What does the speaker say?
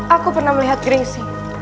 aku pernah melihat gresik